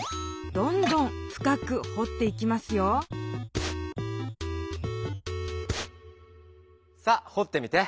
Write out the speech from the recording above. どんどん深くほっていきますよさあほってみて。